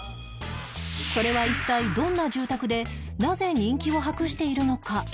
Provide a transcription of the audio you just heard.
それは一体どんな住宅でなぜ人気を博しているのか？